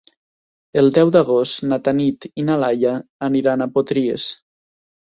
El deu d'agost na Tanit i na Laia aniran a Potries.